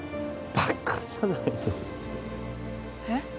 バカじゃないのえっ？